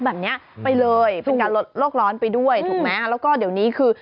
แบบนี้ไปเลยเป็นการลดโลกร้อนไปด้วยถูกไหมแล้วก็เดี๋ยวนี้คือ